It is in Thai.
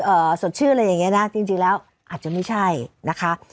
สดชื่ออะไรอย่างเงี้นะจริงจริงแล้วอาจจะไม่ใช่นะคะ